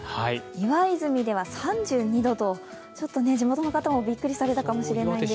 岩泉では３２度と、ちょっと地元の方もビックリされたかもしれません。